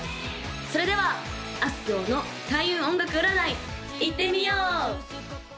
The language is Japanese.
それではあすきょうの開運音楽占いいってみよう！